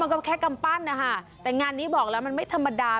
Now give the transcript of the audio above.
ก็แค่กำปั้นนะคะแต่งานนี้บอกแล้วมันไม่ธรรมดา